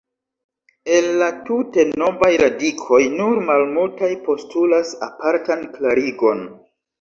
El la tute novaj radikoj, nur malmultaj postulas apartan klarigon.